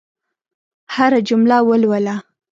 هره جمله ولوله.